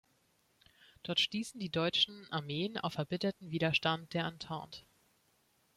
Dort stießen die Deutschen Armeen auf erbitterten Widerstand der Entente.